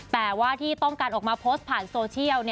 แต่ว่าที่ต้องการออกมาโพสต์ผ่านโซเชียล